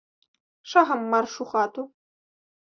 Шагам марш у хату.